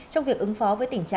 trong việc ứng phó với tỉnh hà nội